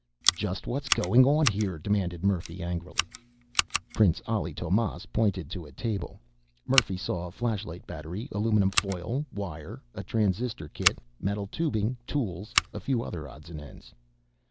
"Just what's going on here?" demanded Murphy angrily. Prince Ali Tomás pointed to a table. Murphy saw a flashlight battery, aluminum foil, wire, a transistor kit, metal tubing, tools, a few other odds and ends.